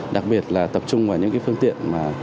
đặc biệt là tập trung vào những phương tiện